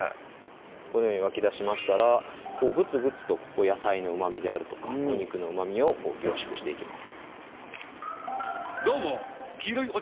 このように沸きだしましたらグツグツと野菜のうまみであるとかお肉のうまみを凝縮していきます